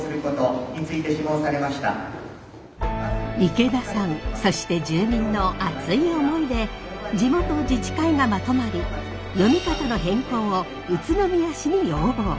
池田さんそして住民の熱い思いで地元自治会がまとまり読み方の変更を宇都宮市に要望。